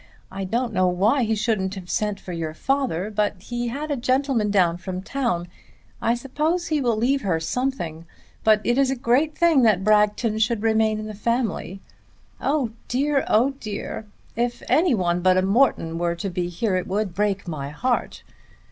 I don't know why he shouldn't have sent for your father, but he had a gentleman down from town. I suppose he will leave her something; but it is a great thing that Bragton should remain in the family. Oh dear, oh dear, if any one but a Morton were to be here it would break my heart.